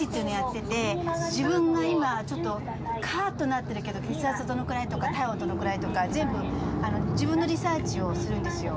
自分が今ちょっとカーッとなってるけど血圧どのくらいとか体温どのくらいとか全部自分のリサーチをするんですよ。